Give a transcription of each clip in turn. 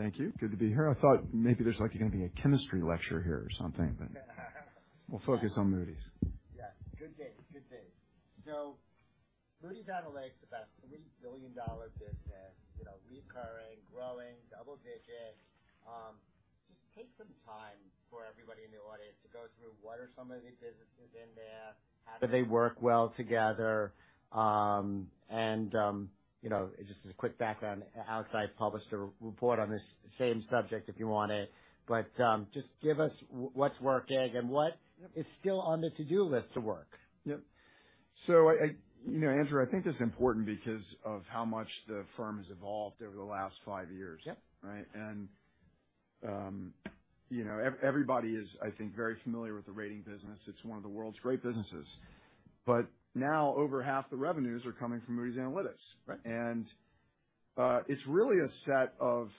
Welcome back. Thank you. Good to be here. I thought maybe there's like going to be a Chemistry lecture here or something, but we'll focus on Moody's. Yeah. Good days. Good days. Moody's Analytics, about $3 billion business, you know, recurring, growing, double digits. Just take some time for everybody in the audience to go through what are some of the businesses in there, how do they work well together? And, you know, just as a quick background, Oppenheimer published a report on this same subject, if you want it. But, just give us what's working and what is still on the to-do list to work. Yep. So, you know, Andrew, I think this is important because of how much the firm has evolved over the last five years. Yep. Right? And, you know, everybody is, I think, very familiar with the rating business. It's one of the world's great businesses. But now over half the revenues are coming from Moody's Analytics. Right. It's really a set of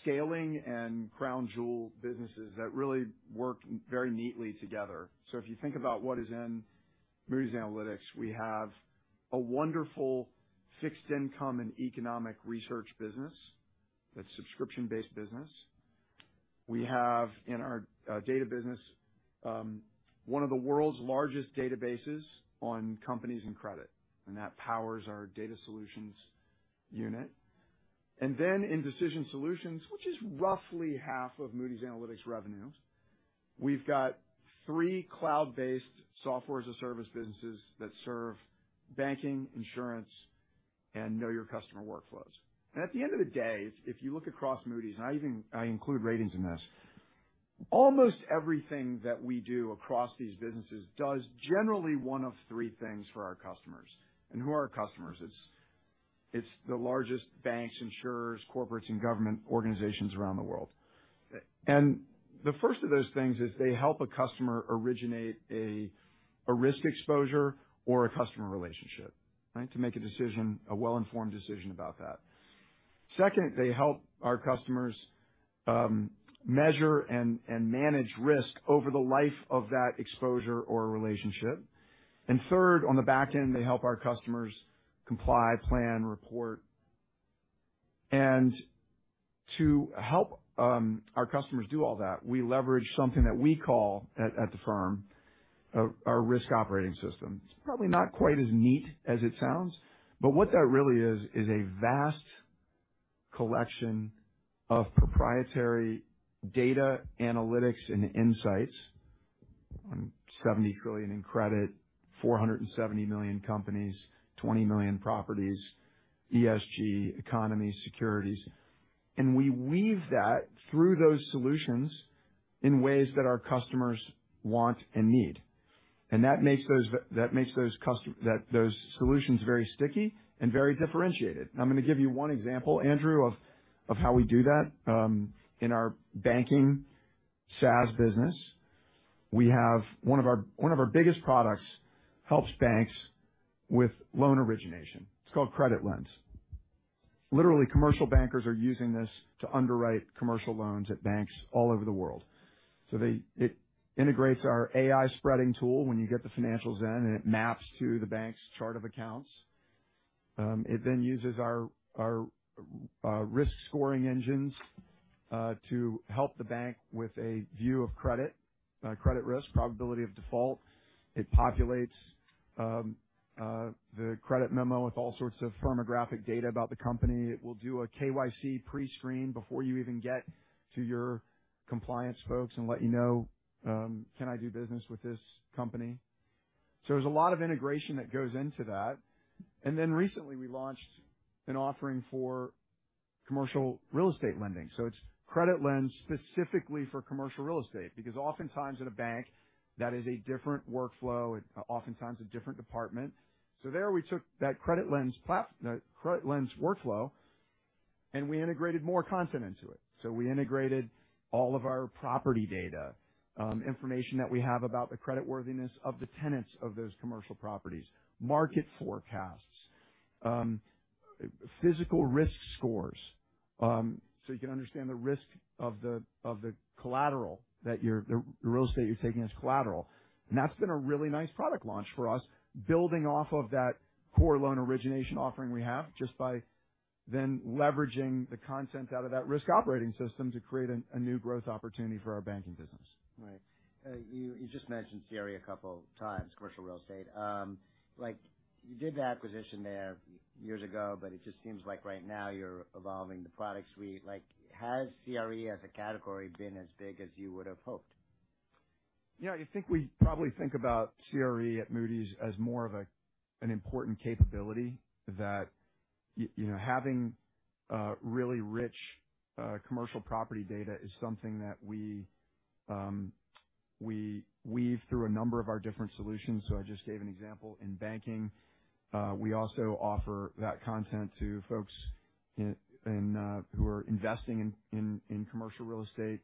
scaling and crown jewel businesses that really work very neatly together. So if you think about what is in Moody's Analytics, we have a wonderful fixed income and economic research business. That's subscription-based business. We have in our data business one of the world's largest databases on companies and credit, and that powers our data solutions unit. And then in Decision Solutions, which is roughly half of Moody's Analytics revenues, we've got three cloud-based software as a service businesses that serve banking, insurance, and Know Your Customer workflows. And at the end of the day, if you look across Moody's, and I even, I include ratings in this, almost everything that we do across these businesses does generally one of three things for our customers. And who are our customers? It's the largest banks, insurers, corporates, and government organizations around the world. The first of those things is they help a customer originate a risk exposure or a customer relationship, right? To make a decision, a well-informed decision about that. Second, they help our customers measure and manage risk over the life of that exposure or relationship. And third, on the back end, they help our customers comply, plan, report. And to help our customers do all that, we leverage something that we call at the firm our Risk Operating System. It's probably not quite as neat as it sounds, but what that really is, is a vast collection of proprietary data, analytics, and insights on $70 trillion in credit, 470 million companies, 20 million properties, ESG, economy, securities. We weave that through those solutions in ways that our customers want and need. And that makes those solutions very sticky and very differentiated. I'm going to give you one example, Andrew, of how we do that. In our banking SaaS business, we have one of our biggest products, helps banks with loan origination. It's called CreditLens. Literally, commercial bankers are using this to underwrite commercial loans at banks all over the world. It integrates our AI spreading tool when you get the financials in, and it maps to the bank's chart of accounts. It then uses our risk scoring engines to help the bank with a view of credit credit risk, probability of default. It populates the credit memo with all sorts of firmographic data about the company. It will do a KYC prescreen before you even get to your compliance folks and let you know, can I do business with this company? So there's a lot of integration that goes into that. And then recently, we launched an offering for commercial real estate lending. So it's CreditLens specifically for commercial real estate, because oftentimes in a bank, that is a different workflow, oftentimes a different department. So there, we took that CreditLens workflow, and we integrated more content into it. We integrated all of our property data, information that we have about the creditworthiness of the tenants of those commercial properties, market forecasts, physical risk scores, so you can understand the risk of the collateral that you're taking, the real estate you're taking as collateral. And that's been a really nice product launch for us, building off of that core loan origination offering we have, just by then leveraging the content out of that Risk Operating System to create a new growth opportunity for our banking business. Right. You, you just mentioned CRE a couple of times, commercial real estate. Like, you did the acquisition there years ago, but it just seems like right now you're evolving the product suite. Like, has CRE as a category been as big as you would have hoped? You know, I think we probably think about CRE at Moody's as more of a, an important capability that, you know, having really rich, commercial property data is something that we, we weave through a number of our different solutions. So I just gave an example in banking. We also offer that content to folks in, who are investing in, in commercial real estate.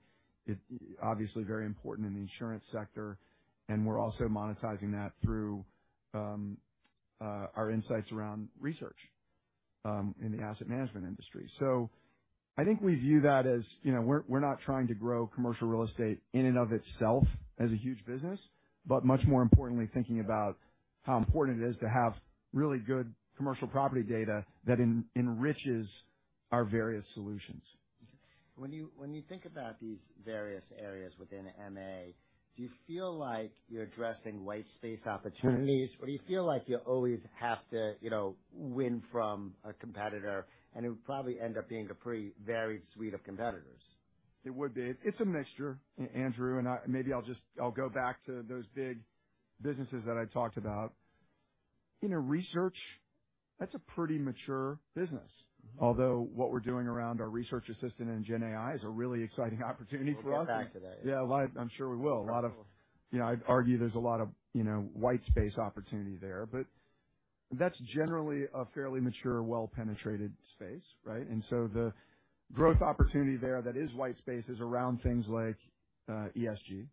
It, obviously, very important in the insurance sector, and we're also monetizing that through, our insights around research, in the asset management industry. So I think we view that as you know, we're, we're not trying to grow commercial real estate in and of itself as a huge business, but much more importantly, thinking about how important it is to have really good commercial property data that enriches our various solutions. When you think about these various areas within MA, do you feel like you're addressing white space opportunities, or do you feel like you always have to, you know, win from a competitor, and it would probably end up being a pretty varied suite of competitors? It would be. It's a mixture, Andrew, and I maybe I'll just, I'll go back to those big businesses that I talked about. You know, research, that's a pretty mature business. Mm-hmm. Although what we're doing around our Research Assistant and Gen AI is a really exciting opportunity for us. We'll get back to that. Yeah, well, I'm sure we will. A lot of... You know, I'd argue there's a lot of, you know, white space opportunity there, but that's generally a fairly mature, well-penetrated space, right? And so the growth opportunity there that is white space is around things like ESG.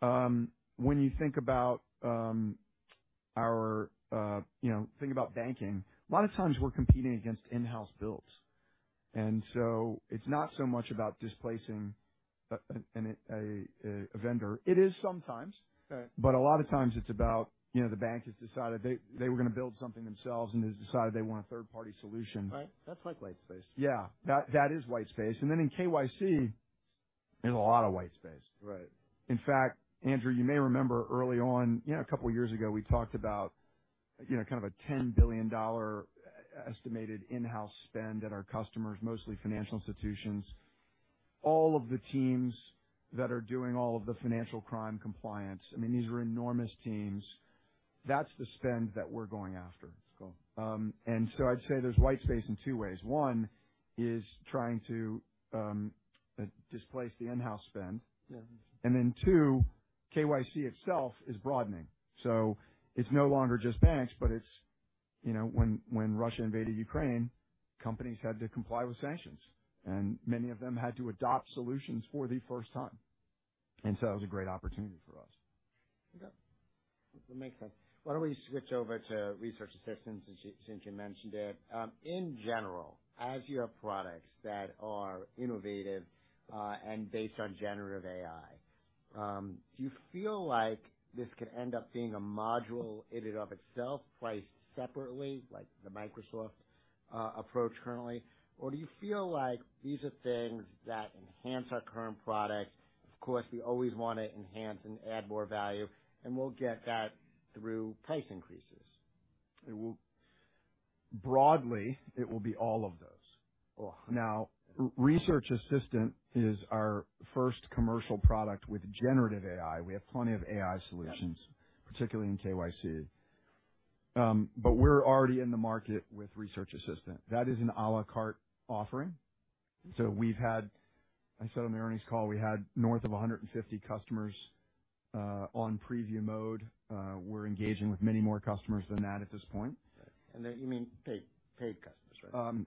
Mm-hmm. When you think about our you know think about banking, a lot of times we're competing against in-house builds. And so it's not so much about displacing a vendor. It is sometimes. Right. But a lot of times it's about, you know, the bank has decided they were gonna build something themselves and has decided they want a third-party solution. Right. That's like white space. Yeah. That, that is white space. And then in KYC, there's a lot of white space. Right. In fact, Andrew, you may remember early on, you know, a couple of years ago, we talked about, you know, kind of a $10 billion estimated in-house spend at our customers, mostly financial institutions. All of the teams that are doing all of the financial crime compliance, I mean, these are enormous teams. That's the spend that we're going after. Cool. And so I'd say there's white space in two ways. One is trying to displace the in-house spend. Yeah. And then, two, KYC itself is broadening, so it's no longer just banks, but it's, you know, when Russia invaded Ukraine, companies had to comply with sanctions, and many of them had to adopt solutions for the first time. And so that was a great opportunity for us. Okay. That makes sense. Why don't we switch over to Research Assistant, since you, since you mentioned it. In general, as your products that are innovative, and based on generative AI, do you feel like this could end up being a module in and of itself, priced separately, like the Microsoft, approach currently? Or do you feel like these are things that enhance our current products? Of course, we always want to enhance and add more value, and we'll get that through price increases. Broadly, it will be all of those. All. Now, Research Assistant is our first commercial product with Generative AI. We have plenty of AI solutions- Yeah. -particularly in KYC. But we're already in the market with Research Assistant. That is an à la carte offering. Mm-hmm. So we've had... I said on the earnings call, we had north of 150 customers on preview mode. We're engaging with many more customers than that at this point. You mean paid, paid customers, right?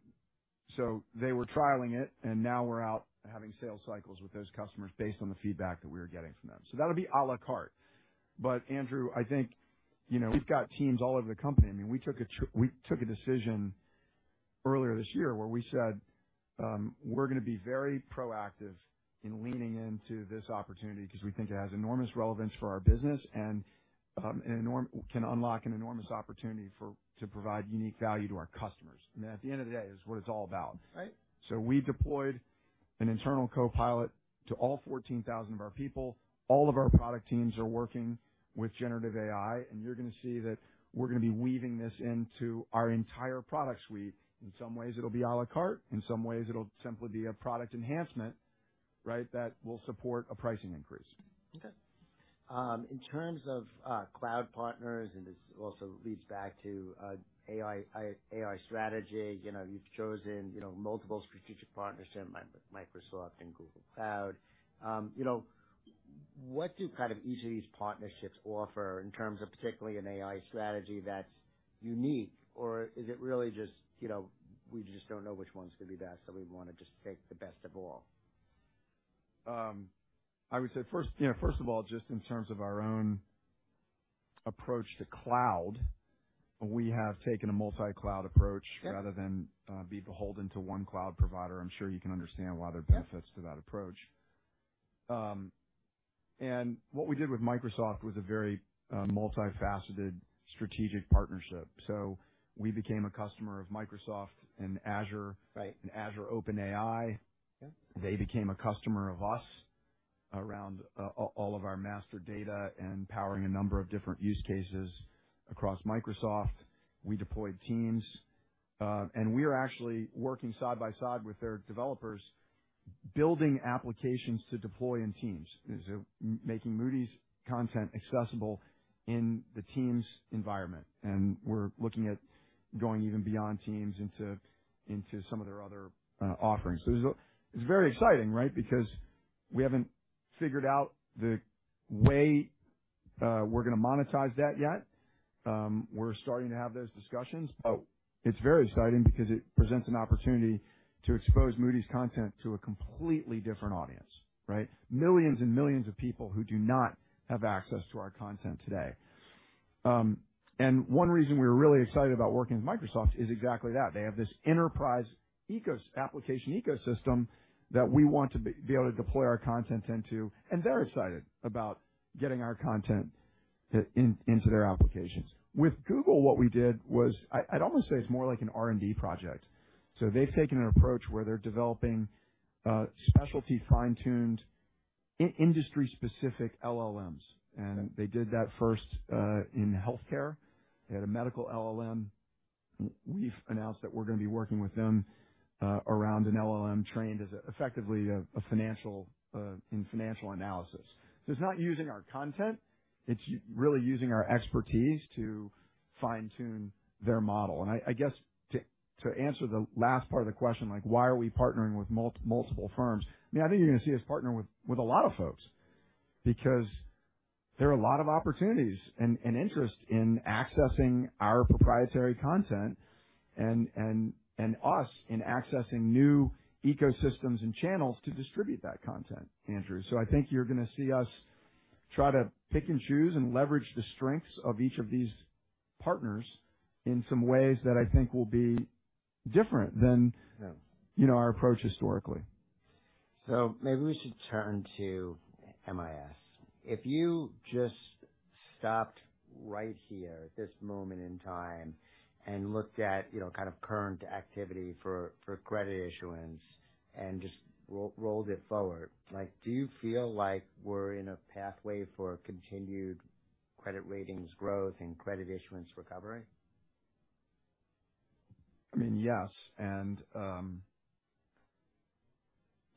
So they were trialing it, and now we're out having sales cycles with those customers based on the feedback that we are getting from them. So that'll be à la carte. But, Andrew, I think, you know, we've got teams all over the company. I mean, we took a decision earlier this year where we said, "We're gonna be very proactive in leaning into this opportunity," because we think it has enormous relevance for our business and can unlock an enormous opportunity for to provide unique value to our customers. I mean, at the end of the day, it's what it's all about. Right. So we deployed an internal Copilot to all 14,000 of our people. All of our product teams are working with generative AI, and you're gonna be weaving this into our entire product suite. In some ways, it'll be à la carte, in some ways, it'll simply be a product enhancement, right, that will support a pricing increase. Okay. In terms of cloud partners, and this also leads back to AI strategy, you know, you've chosen, you know, multiple strategic partners here, like Microsoft and Google Cloud. You know, what do kind of each of these partnerships offer in terms of particularly an AI strategy that's unique, or is it really just, you know, we just don't know which one's gonna be best, so we want to just take the best of all? I would say, first, you know, first of all, just in terms of our own approach to cloud, we have taken a multi-cloud approach- Right. -rather than be beholden to one cloud provider. I'm sure you can understand why there are benefits- Yeah. -to that approach. And what we did with Microsoft was a very multifaceted strategic partnership. So we became a customer of Microsoft and Azure- Right. -and Azure OpenAI. Yeah. They became a customer of us around all of our master data and powering a number of different use cases across Microsoft. We deployed Teams, and we are actually working side by side with their developers, building applications to deploy in Teams. So making Moody's content accessible in the Teams environment, and we're looking at going even beyond Teams into some of their other offerings. So it's very exciting, right? Because we haven't figured out the way we're gonna monetize that yet. We're starting to have those discussions. Oh. It's very exciting because it presents an opportunity to expose Moody's content to a completely different audience, right? Millions and millions of people who do not have access to our content today. And one reason we're really excited about working with Microsoft is exactly that. They have this enterprise application ecosystem that we want to be able to deploy our content into, and they're excited about getting our content into their applications. With Google, what we did was... I'd almost say it's more like an R&D project. So they've taken an approach where they're developing specialty, fine-tuned industry specific LLMs, and they did that first in healthcare. They had a medical LLM. We've announced that we're gonna be working with them around an LLM trained as effectively a financial in financial analysis. So it's not using our content, it's really using our expertise to fine-tune their model. And I guess to answer the last part of the question, like, why are we partnering with multiple firms? I mean, I think you're gonna see us partner with a lot of folks because there are a lot of opportunities and interest in accessing our proprietary content and us accessing new ecosystems and channels to distribute that content, Andrew. So I think you're gonna see us try to pick and choose, and leverage the strengths of each of these partners in some ways that I think will be different than- Yeah. You know, our approach historically. So maybe we should turn to MIS. If you just stopped right here at this moment in time and looked at, you know, kind of current activity for credit issuance and just rolled it forward, like, do you feel like we're in a pathway for continued credit ratings growth and credit issuance recovery? I mean, yes, and,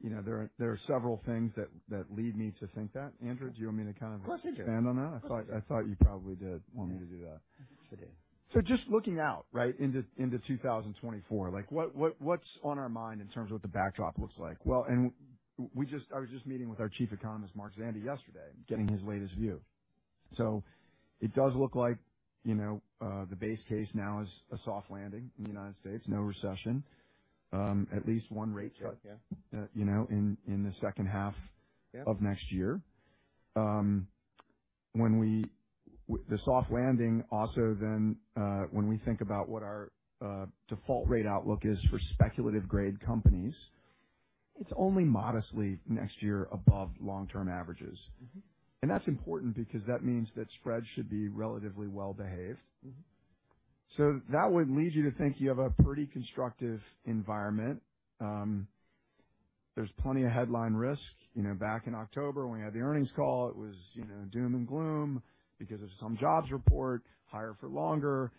you know, there are several things that lead me to think that. Andrew, do you want me to kind of- Of course, you do. -expand on that? Of course. I thought you probably did want me to do that. Sure did. So just looking out, right? Into 2024, like what's on our mind in terms of what the backdrop looks like? Well, we just. I was just meeting with our Chief Economist, Mark Zandi, yesterday, getting his latest view. So it does look like, you know, the base case now is a soft landing in the United States, no recession, at least one rate cut- Yeah. you know, in the second half- Yeah. -of next year. When we the soft landing also then, when we think about what our default rate outlook is for speculative grade companies, it's only modestly next year above long-term averages. Mm-hmm. That's important because that means that spreads should be relatively well behaved. Mm-hmm. So that would lead you to think you have a pretty constructive environment. There's plenty of headline risk. You know, back in October, when we had the earnings call, it was, you know, doom and gloom because of some jobs report, higher for longer.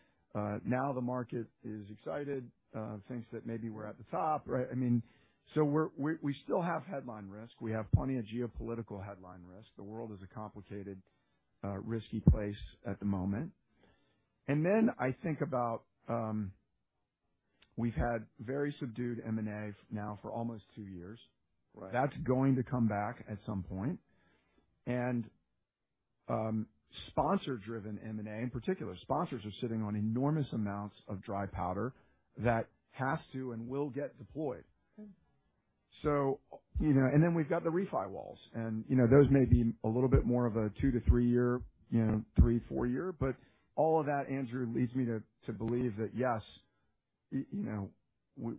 Now the market is excited, thinks that maybe we're at the top, right? I mean, so we still have headline risk. We have plenty of geopolitical headline risk. The world is a complicated, risky place at the moment. And then I think about, we've had very subdued M&A now for almost two years. Right. That's going to come back at some point. sponsor-driven M&A, in particular, sponsors are sitting on enormous amounts of dry powder that has to and will get deployed. Mm. So, you know, and then we've got the refi walls, and, you know, those may be a little bit more of a 2-3 year, you know, 3-4 year. But all of that, Andrew, leads me to believe that, yes, you know,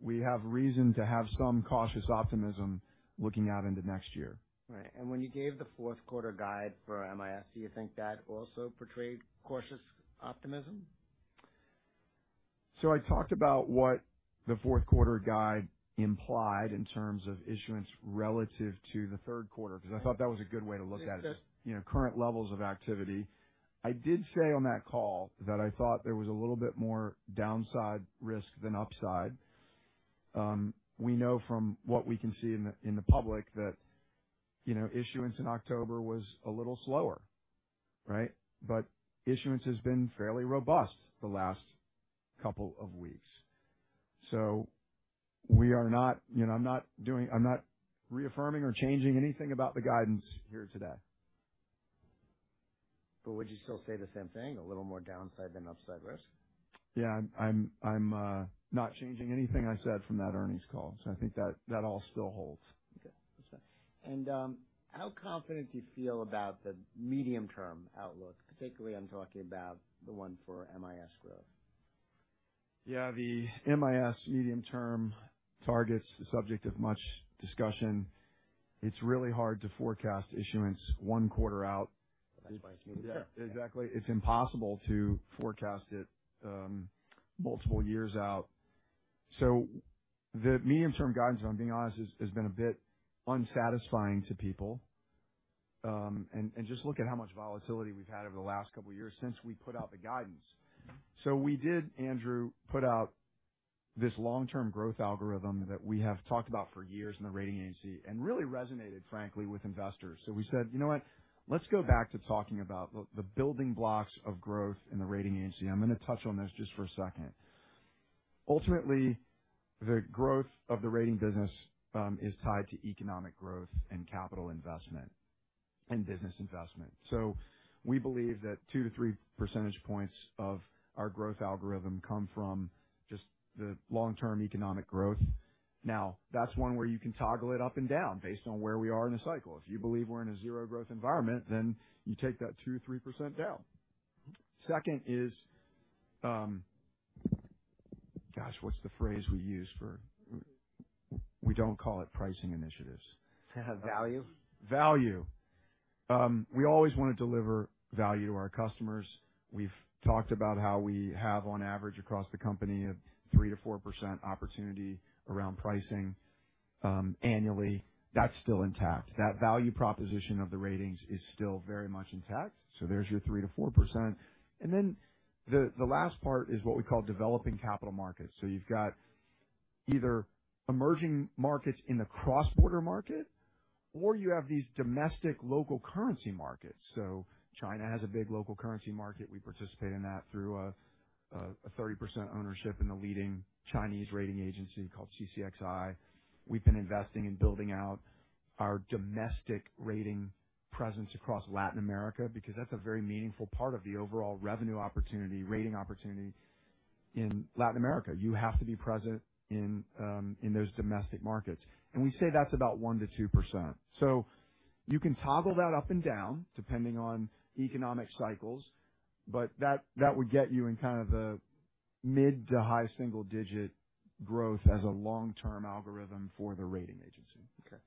we have reason to have some cautious optimism looking out into next year. Right. And when you gave the fourth quarter guide for MIS, do you think that also portrayed cautious optimism? I talked about what the fourth quarter guide implied in terms of issuance relative to the third quarter, because I thought that was a good way to look at it. Yes. You know, current levels of activity. I did say on that call that I thought there was a little bit more downside risk than upside. We know from what we can see in the public that, you know, issuance in October was a little slower, right? But issuance has been fairly robust the last couple of weeks. So we are not... You know, I'm not doing. I'm not reaffirming or changing anything about the guidance here today. But would you still say the same thing, a little more downside than upside risk? Yeah. I'm, I'm, not changing anything I said from that earnings call, so I think that, that all still holds. Okay. That's fine. And, how confident do you feel about the medium-term outlook? Particularly, I'm talking about the one for MIS growth. Yeah, the MIS medium-term target's the subject of much discussion. It's really hard to forecast issuance one quarter out. That's my experience. Yeah. Exactly. It's impossible to forecast it, multiple years out. So the medium-term guidance, if I'm being honest, has, has been a bit unsatisfying to people. And, and just look at how much volatility we've had over the last couple of years since we put out the guidance. So we did, Andrew, put out this long-term growth algorithm that we have talked about for years in the rating agency, and really resonated, frankly, with investors. So we said: "You know what? Let's go back to talking about the building blocks of growth in the rating agency." I'm gonna touch on this just for a second. Ultimately, the growth of the rating business is tied to economic growth and capital investment and business investment. So we believe that 2-3 percentage points of our growth algorithm come from just the long-term economic growth. Now, that's one where you can toggle it up and down based on where we are in the cycle. If you believe we're in a zero-growth environment, then you take that 2-3% down. Second is, gosh, what's the phrase we use for— We don't call it pricing initiatives. Value? Value. We always wanna deliver value to our customers. We've talked about how we have, on average, across the company, a 3%-4% opportunity around pricing annually. That's still intact. That value proposition of the ratings is still very much intact, so there's your 3%-4%. And then, the last part is what we call developing capital markets. So you've got either emerging markets in the cross-border market, or you have these domestic local currency markets. So China has a big local currency market. We participate in that through a 30% ownership in the leading Chinese rating agency called CCXI. We've been investing in building out our domestic rating presence across Latin America, because that's a very meaningful part of the overall revenue opportunity, rating opportunity in Latin America. You have to be present in those domestic markets, and we say that's about 1%-2%. So you can toggle that up and down, depending on economic cycles, but that would get you in kind of the mid- to high single-digit growth as a long-term algorithm for the rating agency. Okay,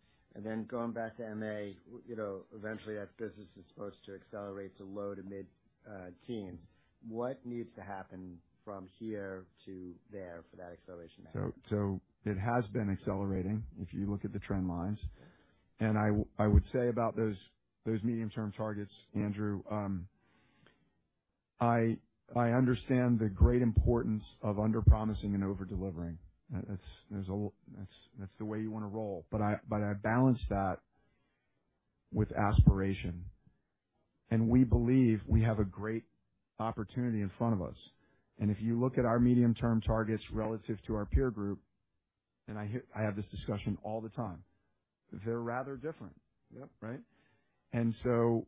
then going back to MA, you know, eventually, that business is supposed to accelerate to low- to mid-teens. What needs to happen from here to there for that acceleration to happen? So it has been accelerating, if you look at the trend lines, and I would say about those medium-term targets, Andrew, I, I understand the great importance of underpromising and over-delivering. That's, that's the way you wanna roll, but I, but I balance that with aspiration. And we believe we have a great opportunity in front of us. And if you look at our medium-term targets relative to our peer group, and I have this discussion all the time, they're rather different. Yep. Right? And so,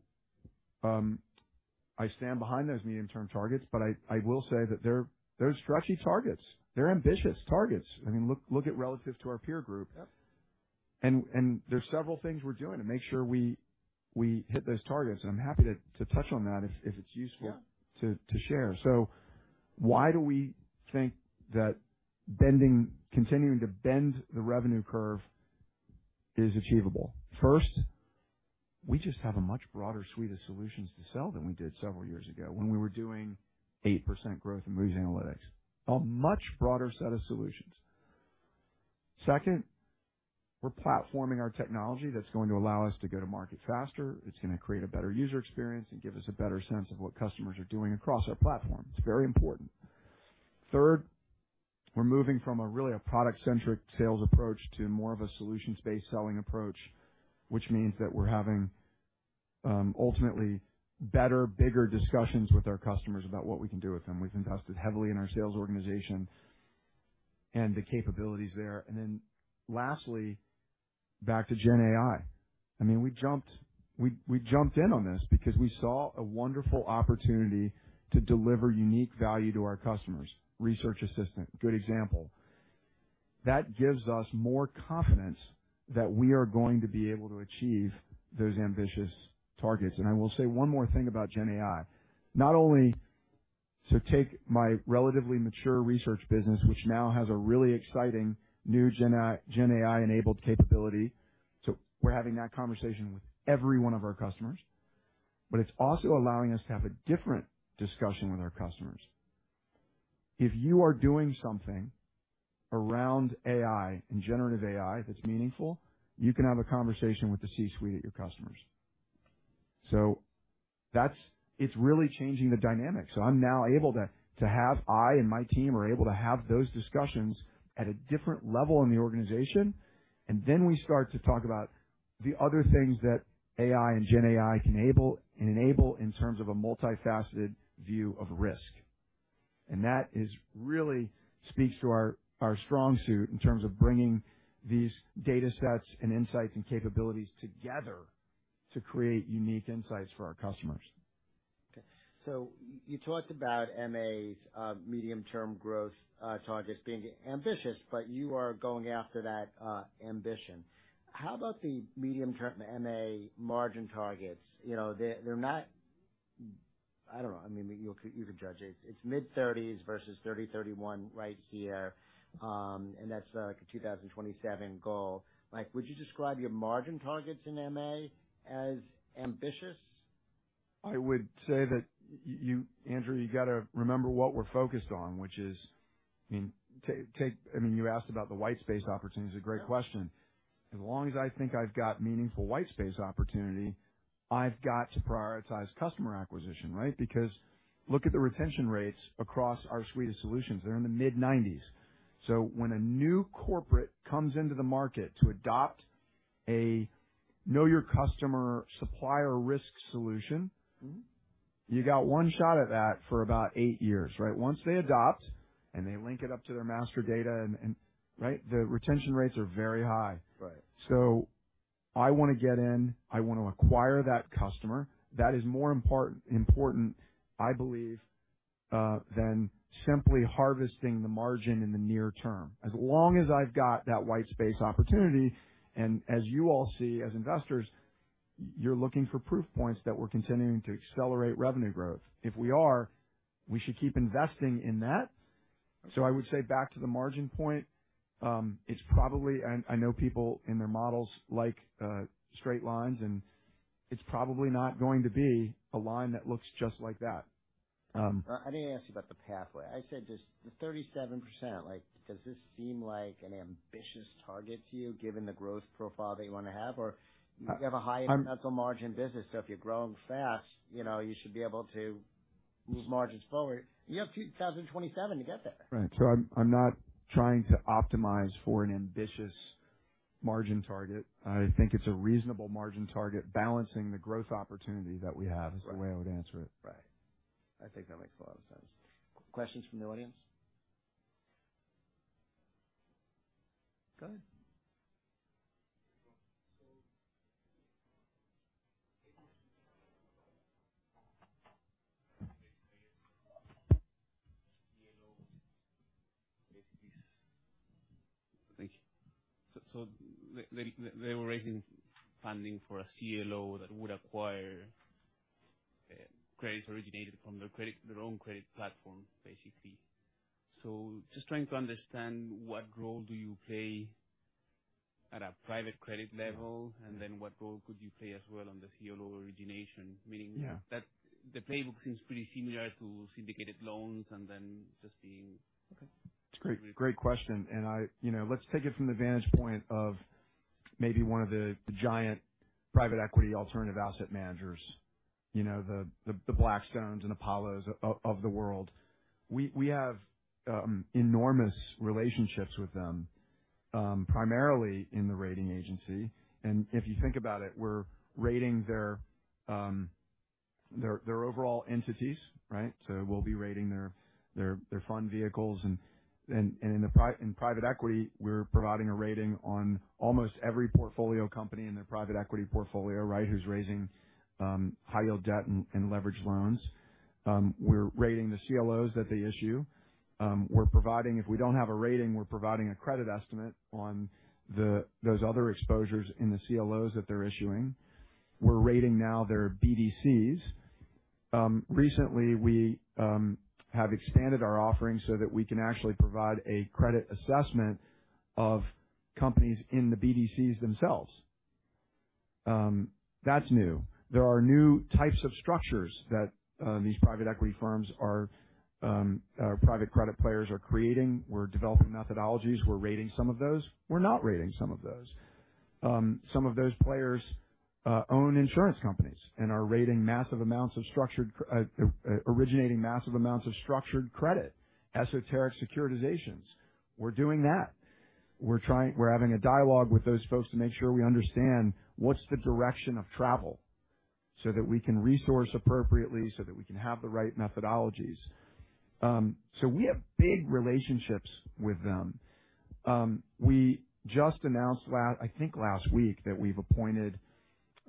I stand behind those medium-term targets, but I will say that they're stretchy targets. They're ambitious targets. I mean, look at relative to our peer group. Yep. And there's several things we're doing to make sure we hit those targets. And I'm happy to touch on that if it's useful. Yeah. to share. So why do we think that bending, continuing to bend the revenue curve is achievable? First, we just have a much broader suite of solutions to sell than we did several years ago when we were doing 8% growth in Moody's Analytics. A much broader set of solutions. Second, we're platforming our technology that's going to allow us to go to market faster. It's gonna create a better user experience and give us a better sense of what customers are doing across our platform. It's very important. Third, we're moving from a really product-centric sales approach to more of a solutions-based selling approach, which means that we're having ultimately better, bigger discussions with our customers about what we can do with them. We've invested heavily in our sales organization and the capabilities there. And then lastly, back to Gen AI. I mean, we jumped in on this because we saw a wonderful opportunity to deliver unique value to our customers. Research Assistant, good example. That gives us more confidence that we are going to be able to achieve those ambitious targets. And I will say one more thing about Gen AI. Not only to take my relatively mature research business, which now has a really exciting new Gen AI, Gen AI-enabled capability, so we're having that conversation with every one of our customers, but it's also allowing us to have a different discussion with our customers. If you are doing something around AI and generative AI that's meaningful, you can have a conversation with the C-suite at your customers. So that's, it's really changing the dynamic. So I and my team are now able to have those discussions at a different level in the organization, and then we start to talk about the other things that AI and Gen AI can enable in terms of a multifaceted view of risk. And that really speaks to our strong suit in terms of bringing these data sets and insights and capabilities together to create unique insights for our customers. Okay, so you talked about MA's medium-term growth targets being ambitious, but you are going after that ambition. How about the medium-term MA margin targets? You know, they're, they're not... I don't know. I mean, you could, you could judge it. It's mid-30s versus 30-31 right here, and that's a 2027 goal. Like, would you describe your margin targets in MA as ambitious? I would say that you, Andrew, you gotta remember what we're focused on, which is, I mean, I mean, you asked about the white space opportunity. It's a great question. As long as I think I've got meaningful white space opportunity, I've got to prioritize customer acquisition, right? Because look at the retention rates across our suite of solutions. They're in the mid-90s. So when a new corporate comes into the market to adopt a Know Your Customer, supplier risk solution- Mm-hmm. You got one shot at that for about eight years, right? Once they adopt and they link it up to their master data and... right? The retention rates are very high. Right. So I want to get in, I want to acquire that customer. That is more important, I believe, than simply harvesting the margin in the near term. As long as I've got that white space opportunity, and as you all see, as investors, you're looking for proof points that we're continuing to accelerate revenue growth. If we are, we should keep investing in that. So I would say back to the margin point, it's probably, and I know people in their models like straight lines, and it's probably not going to be a line that looks just like that. I need to ask you about the pathway. I said just the 37%. Like, does this seem like an ambitious target to you, given the growth profile that you want to have? Or you have a high incremental margin business, so if you're growing fast, you know, you should be able to move margins forward. You have 2027 to get there. Right. So I'm not trying to optimize for an ambitious margin target. I think it's a reasonable margin target balancing the growth opportunity that we have, is the way I would answer it. Right. I think that makes a lot of sense. Questions from the audience? Go ahead. So they were raising funding for a CLO that would acquire, credits originated from their credit, their own credit platform, basically. So just trying to understand, what role do you play at a private credit level, and then what role could you play as well on the CLO origination? Meaning- Yeah. that the playbook seems pretty similar to syndicated loans and then just being... Okay. It's a great, great question, and I... You know, let's take it from the vantage point of maybe one of the giant private equity alternative asset managers, you know, the Blackstones and Apollos of the world. We have enormous relationships with them, primarily in the rating agency. And if you think about it, we're rating their overall entities, right? So we'll be rating their fund vehicles. And in private equity, we're providing a rating on almost every portfolio company in their private equity portfolio, right? Who's raising high yield debt and leveraged loans. We're rating the CLOs that they issue. We're providing—If we don't have a rating, we're providing a credit estimate on those other exposures in the CLOs that they're issuing. We're rating now their BDCs. Recently, we have expanded our offerings so that we can actually provide a credit assessment of companies in the BDCs themselves. That's new. There are new types of structures that these private equity firms, private credit players are creating. We're developing methodologies. We're rating some of those. We're not rating some of those. Some of those players own insurance companies and are originating massive amounts of structured credit, esoteric securitizations. We're doing that. We're trying. We're having a dialogue with those folks to make sure we understand what's the direction of travel, so that we can resource appropriately, so that we can have the right methodologies. So we have big relationships with them. We just announced—I think last week—that we've appointed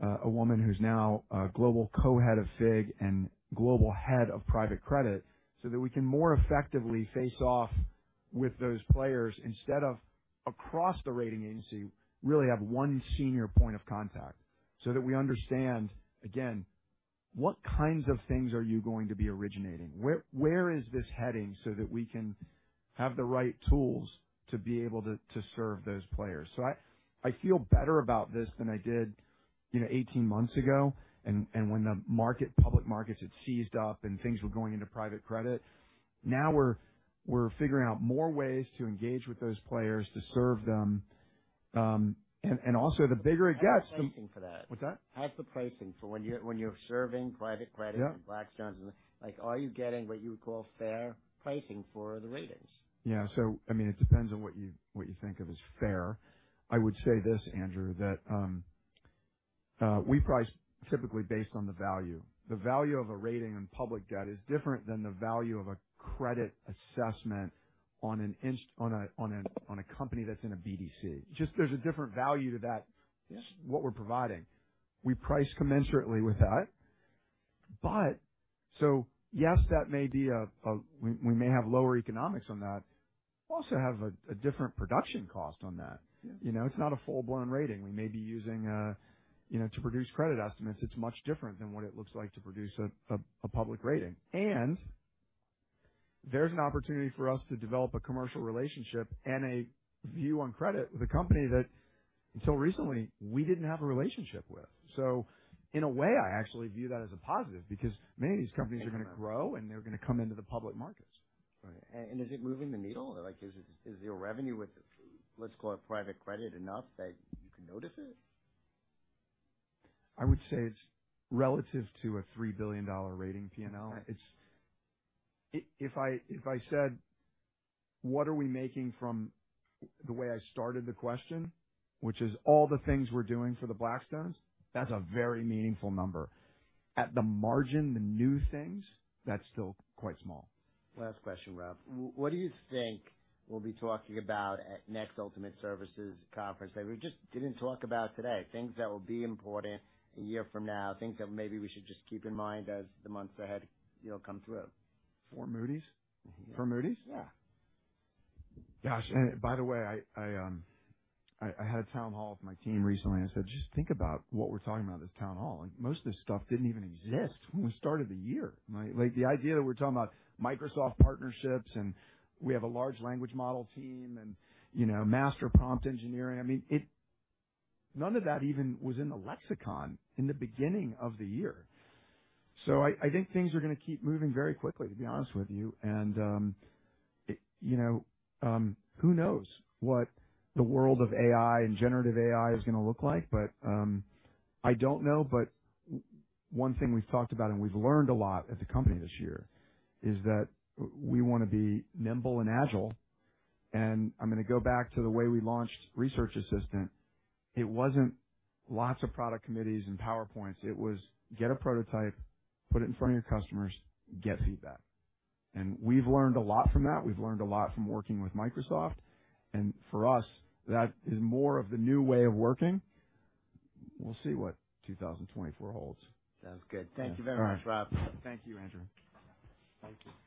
a woman who's now a Global Co-head of FIG and Global Head of Private Credit, so that we can more effectively face off with those players instead of across the rating agency, really have one senior point of contact, so that we understand, again, what kinds of things are you going to be originating? Where is this heading so that we can have the right tools to be able to serve those players? So I feel better about this than I did, you know, 18 months ago, and when the market, public markets had seized up and things were going into private credit. Now we're figuring out more ways to engage with those players to serve them, and also the bigger it gets- How's the pricing for that? What's that? How's the pricing for when you're serving private credit- Yeah. Blackstone's, like, are you getting what you would call fair pricing for the ratings? Yeah. So, I mean, it depends on what you think of as fair. I would say this, Andrew, that we price typically based on the value. The value of a rating in public debt is different than the value of a credit assessment on a company that's in a BDC. Just there's a different value to that, just what we're providing. We price commensurately with that, but. So, yes, that may be a, we may have lower economics on that, we also have a different production cost on that. Yeah. You know, it's not a full-blown rating. We may be using, you know, to produce credit estimates. It's much different than what it looks like to produce a public rating. And there's an opportunity for us to develop a commercial relationship and a view on credit with a company that, until recently, we didn't have a relationship with. So in a way, I actually view that as a positive, because many of these companies are going to grow and they're going to come into the public markets. Right. And is it moving the needle? Like, is it your revenue with, let's call it private credit, enough that you can notice it? I would say it's relative to a $3 billion rating P&L. It's... if I said, "What are we making from the way I started the question?" Which is all the things we're doing for the Blackstone's, that's a very meaningful number. At the margin, the new things, that's still quite small. Last question, Rob. What do you think we'll be talking about at next Ultimate Services conference? That we just didn't talk about today, things that will be important a year from now, things that maybe we should just keep in mind as the months ahead, you know, come through. For Moody's? Yeah. For Moody's? Yeah. Gosh, and by the way, I had a town hall with my team recently, and I said, "Just think about what we're talking about this town hall." And most of this stuff didn't even exist when we started the year, right? Like, the idea that we're talking about Microsoft partnerships, and we have a large language model team and, you know, master prompt engineering. I mean, it... None of that even was in the lexicon in the beginning of the year. So I think things are gonna keep moving very quickly, to be honest with you. And, it, you know, who knows what the world of AI and generative AI is gonna look like? I don't know, but one thing we've talked about, and we've learned a lot at the company this year, is that we wanna be nimble and agile, and I'm gonna go back to the way we launched Research Assistant. It wasn't lots of product committees and PowerPoints. It was: Get a prototype, put it in front of your customers, get feedback. And we've learned a lot from that. We've learned a lot from working with Microsoft, and for us, that is more of the new way of working. We'll see what 2024 holds. Sounds good. All right. Thank you very much, Rob. Thank you, Andrew. Thank you. We've got a-